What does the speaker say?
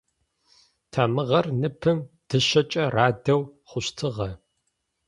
Тамыгъэр ныпым дышъэкӏэ радэу хъущтыгъэ.